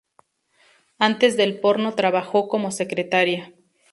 Antes del porno trabajó como secretaria.